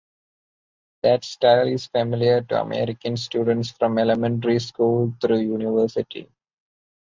That style is familiar to American students from elementary school through university.